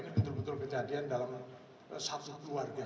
ini betul betul kejadian dalam satu keluarga